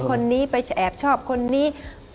คนนี้ไปแอบชอบคนนี้